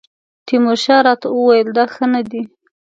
تیمورشاه راته وویل دا ښه نه دی.